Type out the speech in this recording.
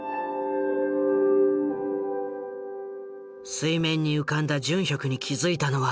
水面に浮かんだジュンヒョクに気付いたのは。